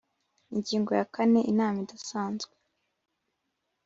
Ingingo ya kane Inama idasanzwe